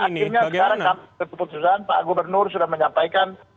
tidak bisa jadi maka akhirnya karena keputusan pak gubernur sudah menyampaikan